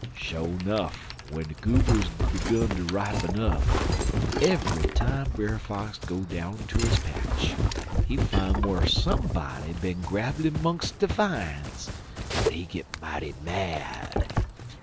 "Sho' 'nuff w'en de goobers 'gun ter ripen up, eve'y time Brer Fox go down ter his patch, he fine whar somebody bin grabblin' 'mongst de vines, en he git mighty mad.